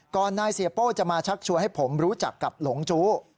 นายเสียโป้จะมาชักชวนให้ผมรู้จักกับหลงจู้